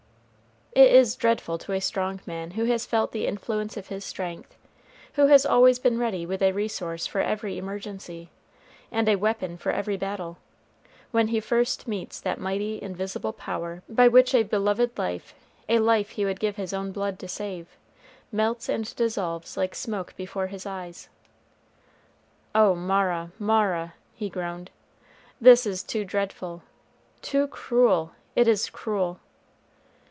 It is dreadful to a strong man who has felt the influence of his strength, who has always been ready with a resource for every emergency, and a weapon for every battle, when first he meets that mighty invisible power by which a beloved life a life he would give his own blood to save melts and dissolves like smoke before his eyes. "Oh, Mara, Mara," he groaned, "this is too dreadful, too cruel; it is cruel."